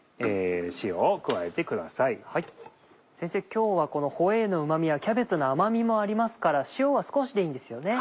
今日はこのホエーのうま味やキャベツの甘みもありますから塩は少しでいいんですよね？